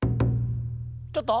ちょっと？